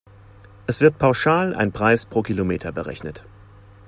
Es wird pauschal ein Preis pro Kilometer berechnet.